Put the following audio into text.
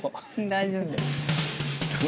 大丈夫。